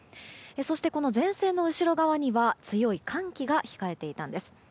そして、前線の後ろ側には強い寒気が控えていたんです。